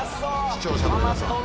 視聴者の皆さん